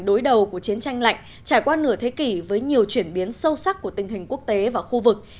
đối đầu của chiến tranh lạnh trải qua nửa thế kỷ với nhiều chuyển biến sâu sắc của tình hình quốc tế và khu vực